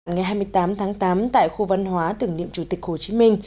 ngày hai mươi tám tháng tám tại khu văn hóa tưởng niệm chủ tịch hồ chí minh